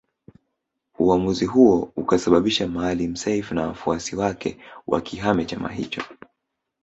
Uamuzi huo ukasababisha Maalim Self na wafuasi wake wakihame chama hicho